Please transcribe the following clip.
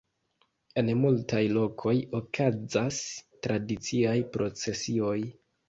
En multaj lokoj okazas tradiciaj procesioj.